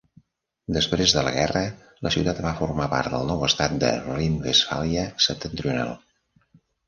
Després de la guerra, la ciutat va formar part del nou estat de Rhine-Westfàlia septentrional.